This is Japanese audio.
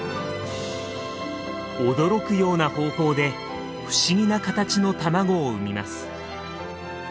驚くような方法で不思議な形の卵を産みます。